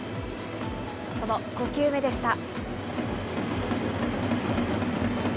その５球目でした。